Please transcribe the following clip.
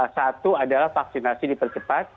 satu adalah vaksinasi dipercepat